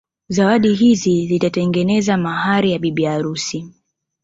Zawadi hizi zitatengeneza mahari ya bibi harusi